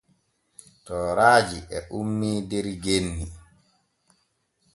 Tooraaji e ummii der genni.